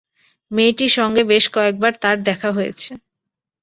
মেয়েটির সঙ্গে বেশ কয়েকবার তাঁর দেখা হয়েছে।